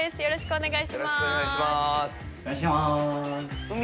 よろしくお願いします。